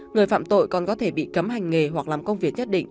người phạm tội còn có thể bị cấm hành nghề hoặc làm công việc nhất định